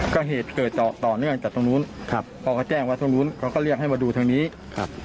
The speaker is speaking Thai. ก็เหตุเกิดต่อเนื่องจากตรงนู้นครับพอเขาแจ้งว่าตรงนู้นเขาก็เรียกให้มาดูทางนี้ครับ